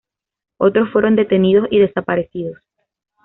Otros fueron detenidos y desaparecidos.